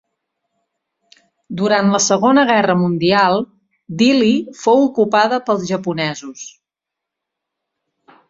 Durant la Segona Guerra Mundial, Dili fou ocupada pels japonesos.